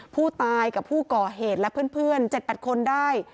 ผู้ตายกับผู้ก่อเหตุและเพื่อน๗๘คนได้